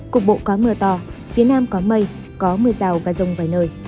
cục bộ có mưa to phía nam có mây có mưa rào và rông vài nơi